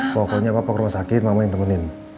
pokoknya apa apa ke rumah sakit mama yang temenin